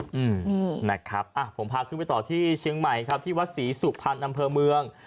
นี่นะครับผมพาไปต่อที่เชียงใหม่ครับที่วัดศรีสุภัณฑ์อำเภอเมือง